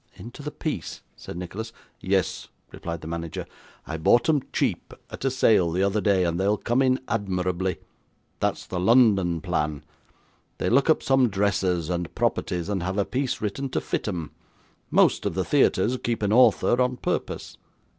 'Into the piece?' said Nicholas. 'Yes,' replied the manager. 'I bought 'em cheap, at a sale the other day, and they'll come in admirably. That's the London plan. They look up some dresses, and properties, and have a piece written to fit 'em. Most of the theatres keep an author on purpose.